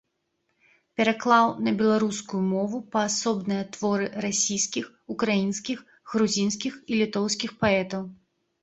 Пераклаў на беларускую мову паасобныя творы расійскіх, украінскіх, грузінскіх і літоўскіх паэтаў.